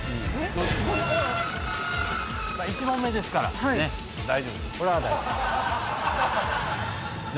まあ１問目ですからね大丈夫です。何？